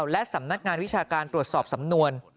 และสำนักงานวิชาการตรวจสอบสำนวน